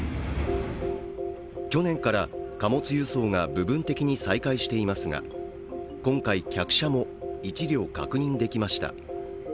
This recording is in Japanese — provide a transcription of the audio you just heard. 去年から貨物輸送が部分的に再開していますが今回、客車も１両確認できました。